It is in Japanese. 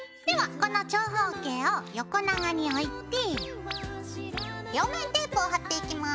この長方形を横長に置いて両面テープを貼っていきます。